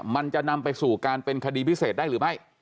มันจะนำไปสู่การเป็นคดีพิเศษได้หรือไม่